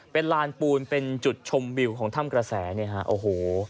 เป็นลานปูนเป็นจุดชมวิวของถ้ำกระแสเนี่ยฮะโอ้โห